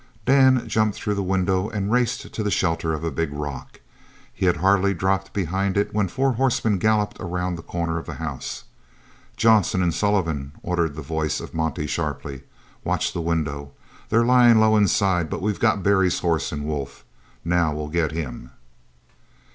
Dan jumped through the window, and raced to the shelter of a big rock. He had hardly dropped behind it when four horsemen galloped around the corner of the house. "Johnson and Sullivan," ordered the voice of Monte sharply, "watch the window. They're lying low inside, but we've got Barry's horse and wolf. Now we'll get him."